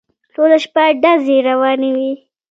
ټوله شپه ډزې روانې وې.